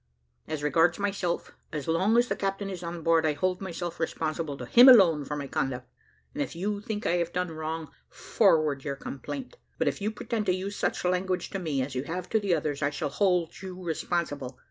As regards myself, as long as the captain is on board, I hold myself responsible to him alone for my conduct; and if you think I have done wrong, forward your complaint; but if you pretend to use such language to me, as you have to others, I shall hold you responsible.